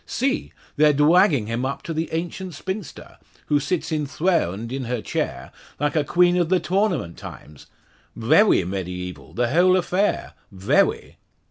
See! They're dwagging him up to the ancient spinster, who sits enthawned in her chair like a queen of the Tawnament times. Vewy mediaeval the whole affair vewy!"